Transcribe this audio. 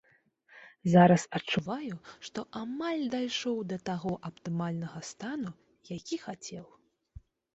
Зараз адчуваю, што амаль дайшоў да таго аптымальнага стану, які хацеў.